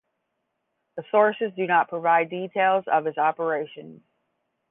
The sources do not provide details of his operations.